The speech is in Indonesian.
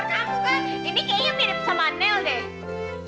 ini kayaknya mirip sama niel deh